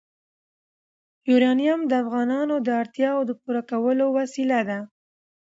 یورانیم د افغانانو د اړتیاوو د پوره کولو وسیله ده.